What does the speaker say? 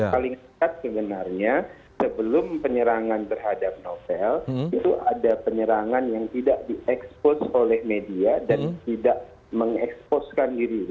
paling dekat sebenarnya sebelum penyerangan terhadap novel itu ada penyerangan yang tidak diekspos oleh media dan tidak mengeksposkan diri